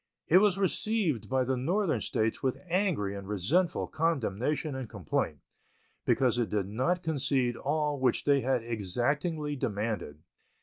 It was received by the Northern States with angry and resentful condemnation and complaint, because it did not concede all which they had exactingly demanded.